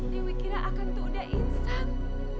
dewi kira akang tuh udah insan